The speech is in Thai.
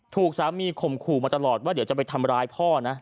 ถูกสามีข่มขู่มาตลอดว่าเดี๋ยวจะไปทำร้ายพ่อนะ